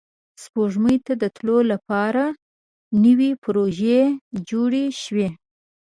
سپوږمۍ ته د تلو لپاره نوې پروژې جوړې شوې